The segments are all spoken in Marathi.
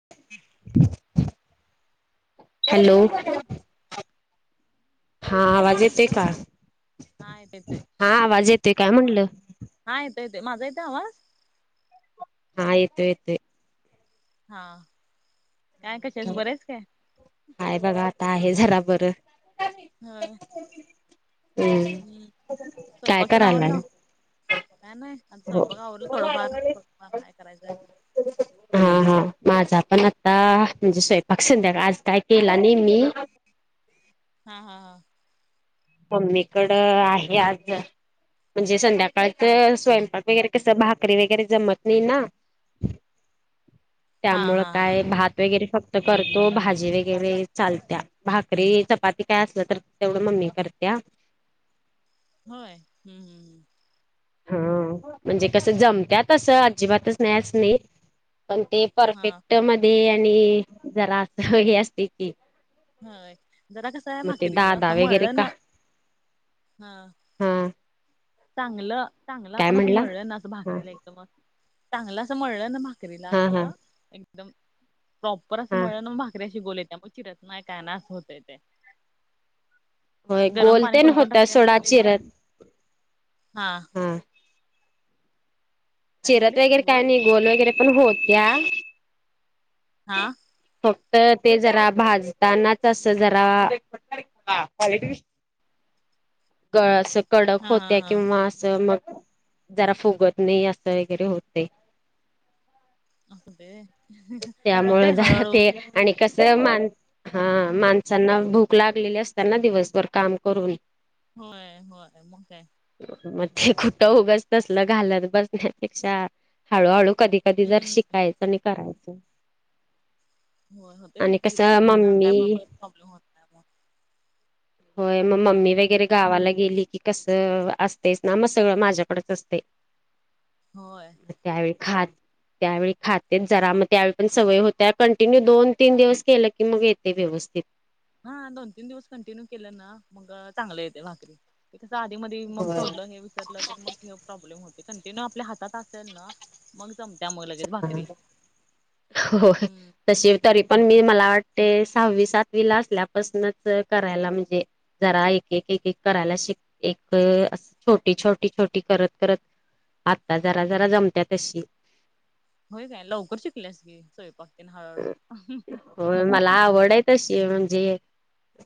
[inaudible] हॅलो हा आवाज हॅलो येतेय का हा येत येतय हा आवाज येतेय काय म्हटलं हा येतोय येतोय माझा येतोय आवाज हा येतोय येतोय. हा काय कशी आहेस बरी आहेस काय? हाय बघा आता आहे जरा बरं हा हम्म काय स्वयंपाक तेन करायलाय आवरला काय नाही आता हो स्वयंपाक आवरलं थोडंफार थोडंफार नाही करायचंय [inaudible] हो हो माझा पण आता म्हणजे स्वयंपाक संध्याकाळ आज काय केला नाही मी हा हा हा मम्मीकडं आहे आज म्हणजे होय संध्याकाळच स्वयंपाक वगैरे कसं भाकरी वगैरे जमत नाही ना हा त्यामुंळ हा काय भात वगैरे फक्त करतो भाजी वगैरे चालत्या भाकरी चपाती काय असलं तर तेवढं मम्मी कर त्या होय हम्म हम् हम् हा म्हणजे कसं जमत्या तसं अजिबातच नाही असं नाही पण ते हा परफेक्ट मध्ये आणि जरा अस हे असते की हा होय जरा कसं आहे मग ते भाकरीचं दादा असं मळल वगैरे का ना हा हा चांगलं चांगलं काय आपण असं म्हणला मळलं ना असं हा भाकरीला एकदम चांगलं असं मळलं ना भाक करीला हा हा असं एकदम प्रॉपर असं हा मळल ना भाकऱी अशी गोल येत्या चिरत नाही काय नाही असं होतय ते होय गरम गोल पाणी तेन कोणकोण होत्या टाकतय म्हणजे सोडा लई चिरत हा हा काय चिरत म्हणलीस वगैरे काय नाही गोल वगैरे पण होत्या हा फक्त ते जरा भाजताना तसं जरा [inaudible] हा कडक हा होत्या हा किंवा असं मग जरा फुगत नाही असं वगैरे होते. असुदे त्यामुळं होतंय जरा हळूहळू. ते आणि कस मान हा माणसांना भूक लागलेली असताना दिवसभर काम करून. होय होय मग काय. मग ते कुठं उगच तसलं घालत बसण्यापेक्षा हळूहळू कधी कधीतर हम्म शिकायचं आणि करायचं. हो होतेच आणि एकदा कसं शिकलं ना काय बा मम्मी प्रॉब्लेम होत नाही मग. होय म हम्म मम्मी वगैरे गावाला गेली की कसं असतेच ना मग सगळं माझ्याकडेच असतय होय! त्यावेळी खात त्यावेळी खातेच जरा मगं त्यावेळी पण सवय होत्या कंटिन्यू दोन तीन दिवस केलं की मग येतय व्यवस्थित. हा दोन तीन दिवस कंटिन्यू केले ना मग चांगले येते भाकरी. ते कस आधी मधी मग होय सोडलं हे विसरलं तर मग ह्यो प्रॉब्लेम होतोय कंटिन्यू आपल्या हातात असेल ना मग जम हो हम्म तशी तरी पण मी मला वाट ते सहावी सातवीला असल्यापासूनच करायला म्हणजे जरा एक एक एक एक करायला शिक एक छोटी छोटी छोटी करत करत आता जरा जरा जमत्या तशी होय काय लवकर शिकल्यास की स्वयंपाक तेन हळूहळू. व्हय, मला आवड आहे तशी म्हणजे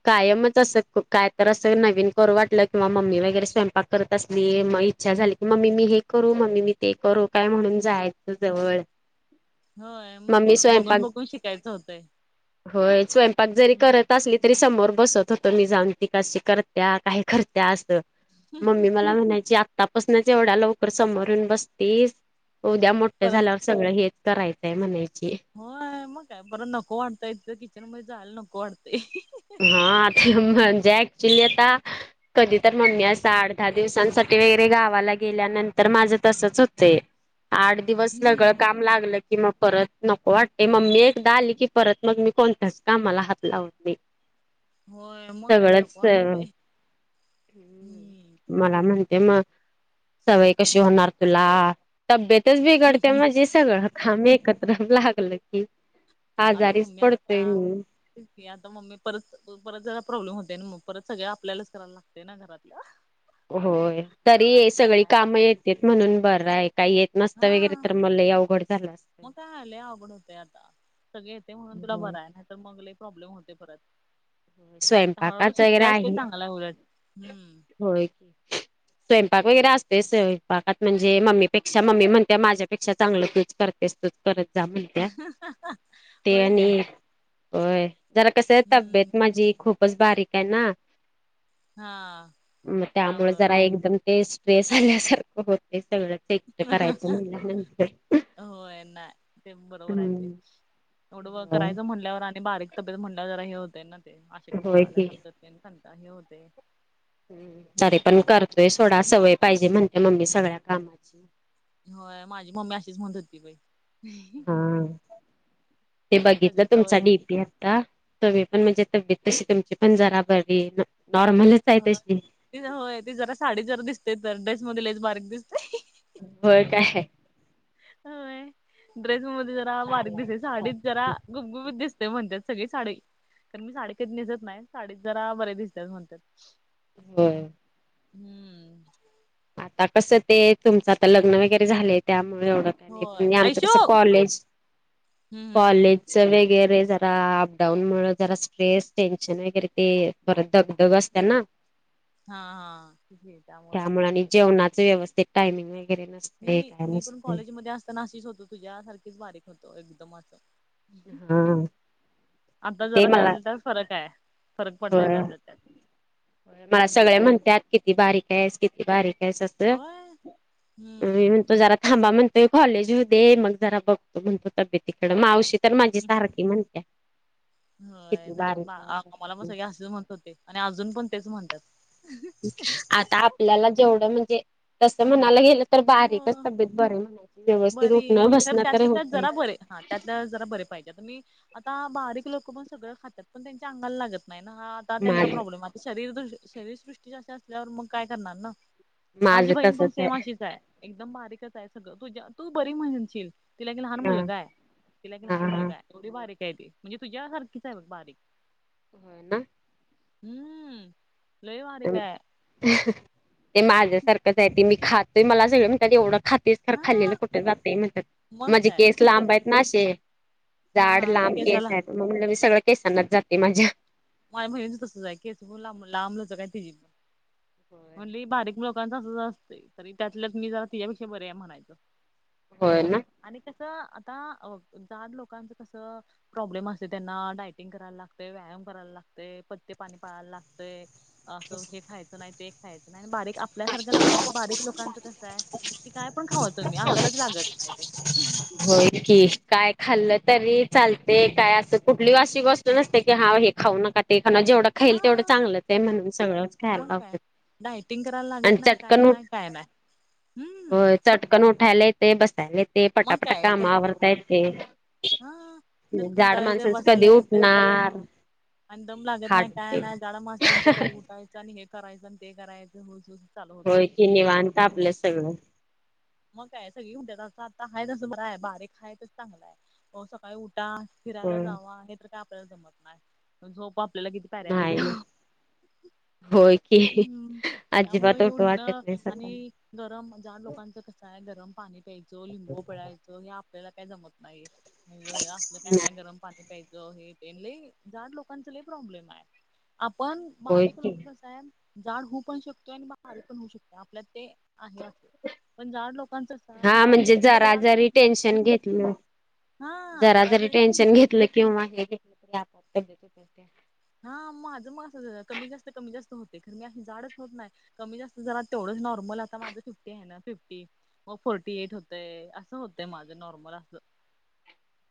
कायमच असं काय तर असं नवीन करू वाटलं किंवा मम्मी वगैरे स्वयंपाक करत असली माई इच्छा झाली की मम्मी मी हे करू मम्मी मी ते करू काय म्हणून जायचं जवळ हो मग मम्मी काय ते बघू स्वयंपाक होय स्वयंपाक जरी हम्म करत असलीत तरी समोर बसत होतो मी जाऊन ती कशी करत्या काय करत्या असं. मम्मी मला म्हणायची आतापासूनच एवढ्या लवकर समोरू येऊन बसतीस उद्या मोठ परत झाल्यावर सगळं हेच करायचंय म्हणायची. होय मग काय बरं नको वाटतय तिथं किचन मध्ये जायला नको वाटतय. हा ते म्हणजे ऍक्च्युली आता कधी तर हा मम्मी अस साड दहा दिवसांसाठी वगैरे गावाला गेल्यानंतर माझं तसच होते आठ दिवस सगळं हम्म काम लागलं की मग परत नको वाटते मम्मी एकदा आली की परत मग मी कोणत्याच कामाला हात लावत नाही. हो मग काय नको सगळंच वाटते हम्म. हम्म. मला म्हणत्या म सवय कशी होणार तुला. तब्येतच बिघडत्या माझी सगळं काम एकत्र लागलं की आता आजारीच मम्मी असत्या पडतोय मी तेच की आता मम्मी परत परत जरा प्रॉब्लेम होते मग परत सगळे आपल्यालाच कराय लाग ते ना घरातलं होय तरी हे असं सगळी आहे कामं येतेत म्हणून बरं हाय काय येत नसत हा वगैरे तर म लय अवघड झालं असत. मग काय लय अवघड होतंय आता सगळे येते म्हणून तुला बरं हाय नाही तर मग लय प्रॉब्लेम होते परत. आता हळूहळू स्वयंपाकाच वगैरे शिकत्यास ते आहे चांगलं हाय उलटं हम्म. होय की. स्वयंपाक वगैरे असतय ते स्वयंपाकात म्हणजे मम्मीपेक्षा, मम्मी म्हणतीया माझ्यापेक्षा चागलं तूच करत करत जा म्हणत्या ते होय आणि. काय होय, जरा कसं हाय हम्म तब्येत माझी खूपच बारीक आहे ना. हा. म त्यामुळे त्यामुळं जरा एकदम ते स्ट्रेस आल्यासारखं होतय सगळं. ते करायचं म्हणल्यात म्हण. होय ना, ते बरोबर आहे ते, हम्म. एवढं वर्क करायचं म्हणल्यावर आणि बारीक तब्येत म्हणल्यावर जरा हे होत ना ते, होय अशक्तपणा की आल्यासारखं तेन संगा हे होतय हम्, तरीपण करतोय सोडा सवय पाहिजे म्हणते मम्मी सगळ्या कामाची. होय, माझी मम्मी अशीच म्हणत होती बाई. हा, ते बघितलं सगळे सवय तुमचा डीपी. तम्ही पण म्हणजे तब्येत तशी, तुमची पण जरा बरी, नॉर्मलच. आहे ह, तशी. ते होय, ती जरा साडीत जरा दिसतय तर, ड्रेस मध्ये लईच बारीक दिसतय. हो काय. होय, ड्रेस मध्ये जरा बारीक दिसते, साडीत जरा गुबगुबीत दिस तय, म्हणत्यात सगळी साडी, कारण मी साडी कधी नेसत नाय, साडी जरा बरे दिसतीया म्हणत्यात. होय हम्म. आता कस ते, तुमचं आता लग्न वगैरे झालंय त्यामुळे एवढ होय आणि आमचं ऐशू कसं कॉलेज, हम्म कॉलेज वगैरे जरा, अप डाऊन मुळ जरा स्ट्रेस टेन्शन हाय खरं ते, परत धगधग असते ना. [unintelligible] हा, हा तेच की, त्यामुळ हे होतंय कुणाचं व्यवस्थित टाईमिंग वगैरे नसतं मी मी पण कॉलेजमध्ये असताना अशीच होतो तुझ्यासारखीच बारीक होतो एकदम असं. हा आता ते जरा मला त्यातल्या त्यात फरक हाय होय मला सगळे हम्म म्हणत्यात किती बारीक आहेस किती बारीक आहे. होय मी हम्म. म्हणतो जरा. थांबा म्हणतोय कॉलेज होऊ दे मग जरा बघतो तुमचं तब्येतीकडे मावशी. तर माझी सारखी म्हणत्या. होय किती नाही बारीक बा आहेस असं. मला पण सगळे असेच म्हणत होते आणि अजून पण तेच म्हणत्यात. आता आपल्याला जेवढं म्हणजे तस म्हणायला गेलं तर बारीकच हो तब्येत बर म्हणाय बरी तर त्यातल्या त्यात जरा बरी हा त्यातल्या त्यात जरा बरी पाहिजे तर मी आता बारीक लोकं पण सगळं खात्यात पण त्यांच्या अंगाला लागत नाही ना हा त्यांचा माझ प्रॉब्लेम आता शरीरदृ शरीरसृष्टीेच अशी असल्यावर मग काय करणार ना माझ माझी बहीण पण तसच आहे सेम अशीच हाय एकदम बारीकच हाय सगळं तुझ्या तू बरी म्हनशील तिला एक लहान हा मुलगाय तिला एक हा लहान हा मुलगाय एवढी बारीकाय ती म्हणजे तुझ्या सारखीच आहे बगं बारीक हम्म हम् लय बारीकाय ते माझ्यासारखंचाय ते मी खातोय मला सगळी म्हणत्यात एवढं खात तीस तरं खाल्लेलं हा कुठं जातय म्हणत्यात मग माझे काय केस ते उलट लांब आहेत ना अशे हा जाड हा लांब केस केसाला हायत मग म्हणलं मी सगळ केसांनाच जातंय माझ्या माया भहिनीच बी तसंच हाय केसं लांब लचक हायत तिजी लय बारीक लोक तसच असतय. तरी त्यातल्या त्यात मी जरा तिच्यापेक्षा बरी हाय म्हणायच. होय ना आणि कस आता अ जाड लोकांच कस प्रॉब्लेम असतय त्यांना. डायटिंग करायला लागतय. व्यायाम करायला लागतय‌ पत्य पाणी पाळायला लागतय. अस हे खायच नाही ते एक खायच नाही. आणि बारीक आपल्यासारख्या लोकांच बारीक लोकांच कस आहे की काय पण खावा तुम्ही, अंगालाच लागत नाही ते. होय कि काय खाल्ल तरी चालतय काय अस कुठली अशी गोष्ट नसत्या कि हा हे खाऊ नका ते खाऊ नका. जेवढ खाईल हा तेवढ चांगल ते. म्हणून सगळंच खायला मग काय लावत्यात. आणि चटकन उ हाय ना होय चाटकन उठायला येतय. बसायला येतय. मग पटापटा काय तर काम आवरता येतय. हा सरकी जाड उठायला येते माणसांच कधी बसायला येते उठणार आणि दम लागत हाट नाही काय ते नाही. जाड माणसांच कधी उठायच आणि हे करायच आणि ते करायच होत होय की निवांत आपल त्यांच सगळ. मग काय सगळी म्हणत्यात अस आता हाय तस बराय. बारीक हाय तस चांगलाय. हो सकाळी उठा फिरायला होय जावा. हे तर काय आपल्याला जमत नाय. झोप आपल्याला किती प्यारी असते. नाही ना [inaudible] की हम्म त्यामुळे अजिबात हे उठू उठण वाटत नाही सकाळी आणि गरम ज्या लोकांच कस काय गरम पाणी प्यायच. लिंबू पिळायच. हे आपल्याला काय जमत नाही. मग आसल काय नाही गरम पाणी प्यायच हे ते लय जाड लोकांच लय प्रॉब्लेम आहे. आपण होय बारीक की लोकांच कसाय जाड होवु पण शकतोय. आणि बारीक पण होवु शकतोय. आपल्यात ते आहे पण जाड लोकांच कसाय एकदा की जाड झा घेतल जरा जरी टेन्शन घेतल की [inaudible] हा माझ म असचय. कमी जास्त कमी जास्त होतय. खर मी अशी जाडच होत नाय. कमी जास्त जरा तेवढंच नॉर्मल आता माझ फिफ्टी आहे ना फिफ्टी. म फोर्टी एट होतय अस होतय माझ नॉर्मल अस.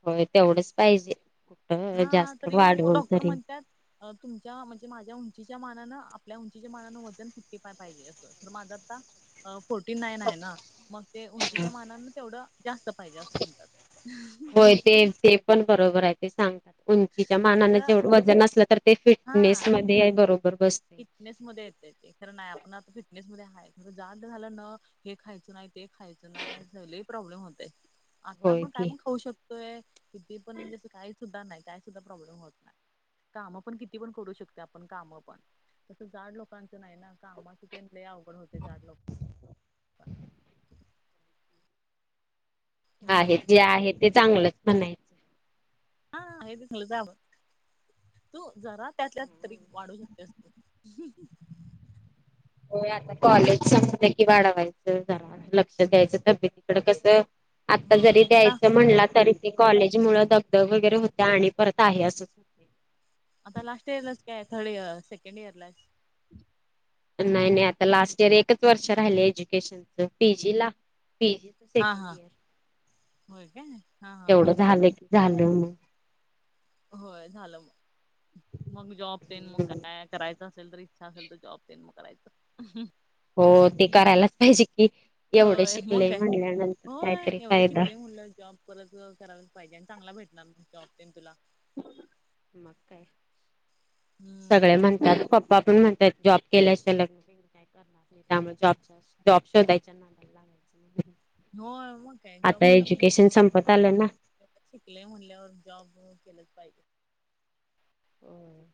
होय तेवढच पाहिजे. कुठं हा जास्त तरी मग हो वाढवून डॉक्टर तरी म्हणत्यात तुमच्या म्हणजे माझ्या उंचीच्या मानानं आपल्या उंचीच्या मानानं वजन फिफ्टी फाय पाहिजे अस. खर माझा आता अ फोर्टी नाईन आहे ना. मग ते उंचीच्या मानान तेवढ जास्त पाहिजे अस म्हणतात. होय ते ते पण बरोबर आहे. ते सांग उंचीच्या मानान खरं जेवढ वजन असल तर ते फिट नेस मध्ये आहे बरोबर बसत. फीटनेस येत ते खर नाही. आपण आ फिटनेस आहे. खर जाड झाल न हे खायच नाही. ते खायच नाही लई प्रॉब्लेम होतय. आता होय आपण काय की पण खाऊ शकतो. व्हय किती पण म्हणजे अस काही सुद्धा नाही. काय सुद्धा प्रॉब्लेम होत नाही. काम पण किती पण करू शकते आपण. काम पण तस जाड लोकांच नाही ना कामाच ते अवघड होते जाड लोक आहे हम्म जे आहे ते चांगलच म्हणायच. हा हे तल जाव तू जरा त्यातल्या तरी वाढू शकत्यास बग. हो आता कॉलेज संपल की वाढवायच. जारा लक्ष द्यायच तब्बेतिकड. कस आता जरी होय आता द्यायच म्हणला तरी ते कॉलेज मुळ दगदग वगैरे होत्या आणि परत आहे असं. आता लास्ट इयर लाच काय थड इयर सेकंड इयर ला आहेस. नाही नाही आता लास्ट इयर एकच वर्ष राहिले एज्युकेशनच पीजी ला पीजी. हा सेकंड हा इयर होय काय. हा हा तेवढं हा झालं की झालं मग. होय झालं मग मग जॉब तेन मग काय. करायच असेल तर इच्छा असेल तर जॉब देन मग करायच. हो ते करायलाच पाहिजे की. एवढे होय मग शिकले आहे म्हणल्यानंतर होय काहीतरी एवढं फायदा शिकलंय म्हनल्यावर. जॉब परत करायला पाहिजे आणि चांगला भेटणार जॉब तेन तुला. मग काय सगळे हम्म म्हणतात प पप्पा पण म्हणत्यात जॉब केल्याशिवाय लग्न बिग्न काय करणार नाही त्यामुळे जॉब जॉब शोधायच्या ना लागायच. होय मग काय जॉब केला पाहिजे. संपत आलं ना शिकले म्हणल्या वर जॉब केलंच पाहिजे. होय.